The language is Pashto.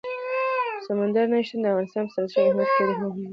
سمندر نه شتون د افغانستان په ستراتیژیک اهمیت کې یو ډېر مهم رول لري.